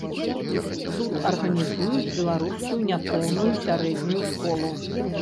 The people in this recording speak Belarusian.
Тут арганізуюць беларускую няпоўную сярэднюю школу.